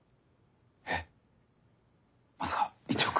えっまさか１億？